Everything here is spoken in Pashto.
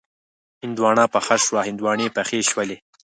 هندواڼه پخه شوه، هندواڼې پخې شولې